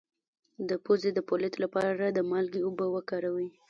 د پوزې د پولیت لپاره د مالګې اوبه وکاروئ